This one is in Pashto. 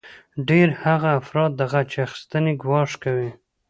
ډیری هغه افراد د غچ اخیستنې ګواښ کوي